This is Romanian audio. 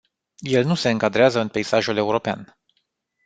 El nu se încadrează în peisajul european.